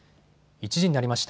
１時になりました。